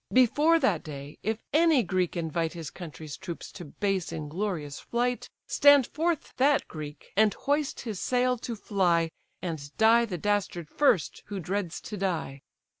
Before that day, if any Greek invite His country's troops to base, inglorious flight, Stand forth that Greek! and hoist his sail to fly, And die the dastard first, who dreads to die.